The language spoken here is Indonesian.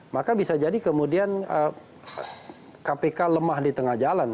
maka bisa jadi kemudian kpk lemah di tengah jalan